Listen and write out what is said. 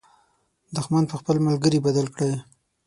دښمن په خپل ملګري بدل کړئ.